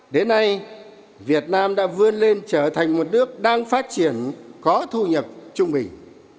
đến nay việt nam đã vươn lên trở thành một nước đang phát triển có thu nhập trung bình